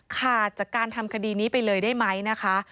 ขาดจากการทำคดีนี้ไปเลยได้ไหมนะคะ